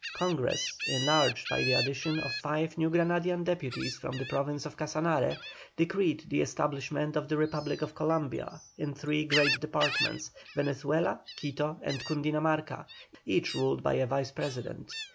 Congress, enlarged by the addition of five New Granadian deputies from the Province of Casanare, decreed the establishment of the REPUBLIC OF COLUMBIA, in three great departments: Venezuela, Quito, and Cundinamarca, each ruled by a Vice President.